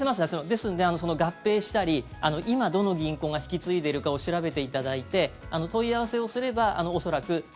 ですので、合併したり今、どの銀行が引き継いでいるかを調べていただいて問い合わせをすれば恐らく。